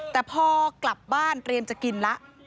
แต่พอกลับบ้านเตรียมจะกินแล้ว